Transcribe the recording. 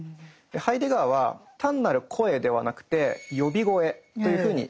ハイデガーは単なる「声」ではなくて「呼び声」というふうに呼んでいます。